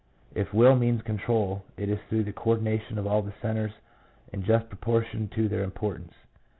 If will means control, it is through the co ordination of all the centres in just proportion to their im portance.